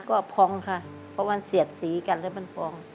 ก็พองค่ะเพราะมันเสียดสีกันแล้วมันพอง